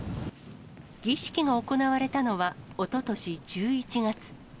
儀式が行われたのは、おととし１１月。